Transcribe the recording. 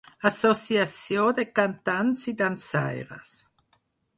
Associació de cantants i dansaires.